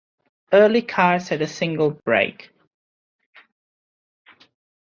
Early cars had a single brake.